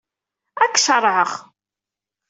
Ad k-caṛɛeɣ.